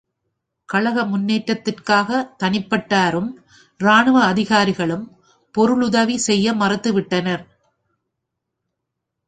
கழக முன்னேற்றத்துக்காகத் தனிப்பட்டாரும், இராணுவ அதிகாரிகளும், பொருளுதவி செய்ய மறுத்துவிட்டனர்.